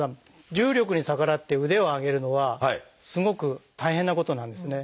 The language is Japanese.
重力に逆らって腕を上げるのはすごく大変なことなんですね。